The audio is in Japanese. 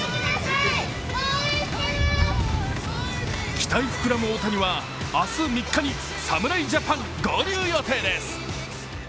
期待膨らむ大谷は明日３日に侍メンバー合流予定です。